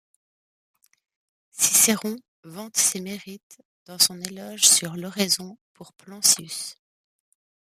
Cicéron vante ses mérites dans son éloge sur l'oraison pour Plancius.